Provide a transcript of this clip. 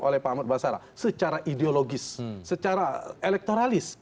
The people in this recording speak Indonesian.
oleh pak ahmad basara secara ideologis secara elektoralis